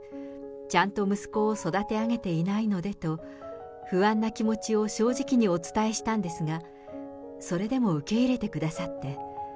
ちゃんと息子を育て上げていないのでと、不安な気持ちを正直にお伝えしたんですが、それでも受け入れてくださって。